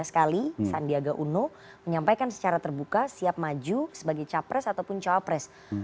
lima belas kali sandiaga uno menyampaikan secara terbuka siap maju sebagai capres ataupun cawapres